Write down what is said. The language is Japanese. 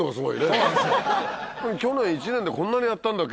去年一年でこんなにやったんだっけ？